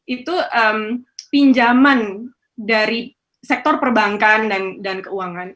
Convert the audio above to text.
itu pinjaman dari sektor perbankan dan keuangan